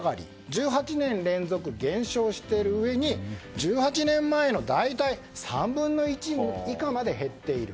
１８年連続減少しているうえに１８年前の大体３分の１以下まで減っている。